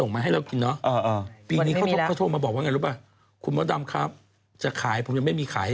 มีคนไทยมั้ย